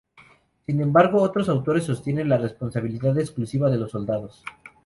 Sin embargo, otros autores sostienen la responsabilidad exclusiva de los soldados.